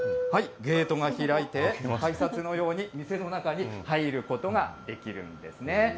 はい、ゲートが開いて、改札のように、店の中に入ることができるんですね。